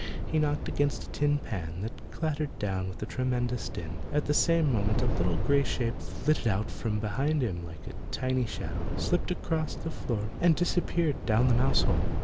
He knocked against a tin pan that clattered down with a tremendous din. At the same moment a little grey shape flitted out from behind him like a tiny shadow, slipped across the floor and disappeared down the mouse hole.